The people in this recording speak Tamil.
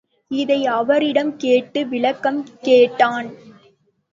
இதை அவரிடம் கேட்டு விளக்கம் கேட்டான்.